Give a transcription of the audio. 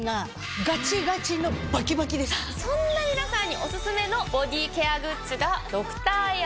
そんな皆さんにオススメのボディケアグッズが。